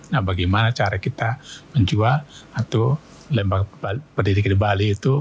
nah bagaimana cara kita menjual atau pendidikan di bali itu